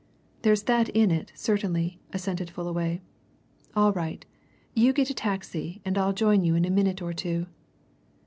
"There's that in it, certainly," assented Fullaway. "All right. You get a taxi and I'll join you in a minute or two."